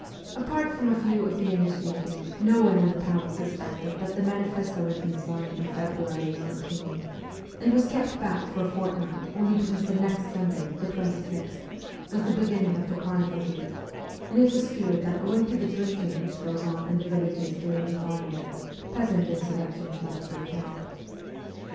Apart from a few of the initiated, no one in the palace sus pected that the manifesto had been signed on February 19, and was kept back for a fortnight only because the next Sunday, the 26th, was the beginning of the carnival week, and it was feared that, owing to the drinking which goes on in the villages during the carnival, peasant insurrections might break out.